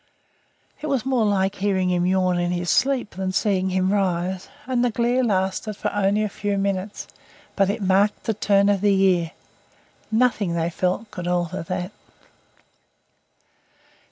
It was more like hearing him yawn in his sleep than seeing him rise, and the glare lasted for only a few minutes, but it marked the turn of the year. Nothing, they felt, could alter that.